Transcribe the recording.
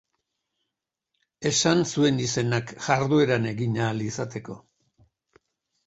Esan zuen izenak jardueran egin ahal izateko.